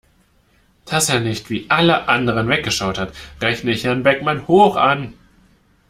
Dass er nicht wie alle anderen weggeschaut hat, rechne ich Herrn Beckmann hoch an.